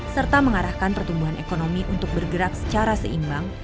serta mengarahkan pertumbuhan ekonomi untuk bergerak secara seimbang